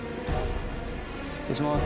失礼します。